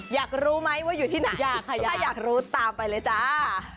อยากรู้ไหมว่าอยู่ที่ไหนถ้าอยากรู้ตามไปเลยจ้า